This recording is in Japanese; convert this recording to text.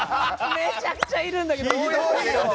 めちゃくちゃいるんだけど！